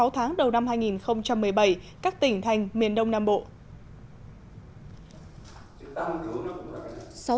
sáu tháng đầu năm hai nghìn một mươi bảy các tỉnh thành miền đông nam bộ